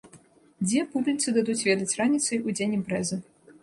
Дзе, публіцы дадуць ведаць раніцай у дзень імпрэзы.